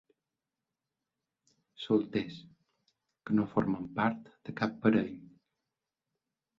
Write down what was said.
Solters, que no formen part de cap parell.